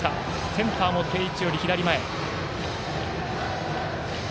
センターも定位置よりも左前。